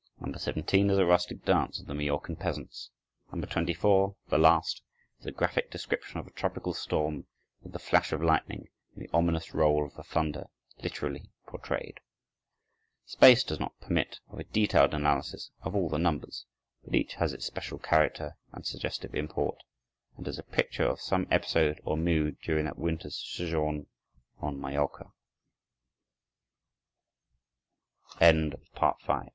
No. 17 is a rustic dance of the Majorcan peasants. No. 24, the last, is a graphic description of a tropical storm with the flash of lightning and the ominous roll of the thunder literally portrayed. Space does not permit of a detailed analysis of all the numbers, but each has its special character and suggestive import, and is a picture of some episode or mood during that winter's sojourn on Majorca. Chopin: Waltz, A Flat, Op.